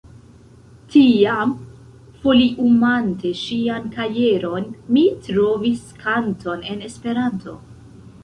Tiam foliumante ŝian kajeron, mi trovis kanton en Esperanto.